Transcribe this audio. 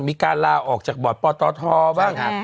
มีการลาออกจากบอร์ดปตทบ้าง